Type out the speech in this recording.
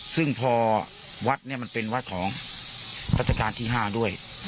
ซึ่งพอวัดเป็นวัดของพระธกาลที่๕ด้วย